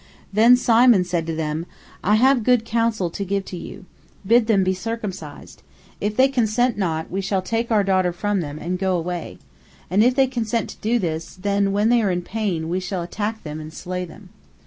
Then Simon said to them: "I have good counsel to give you. Bid them be circumcised. If they consent not, we shall take our daughter from them, and go away. And if they consent to do this, then, when they are in pain, we shall attack them and slay them."